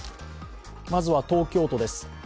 まずは、東京都です。